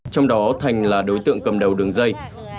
trong đó thành là đối tượng cầm đầu đường dây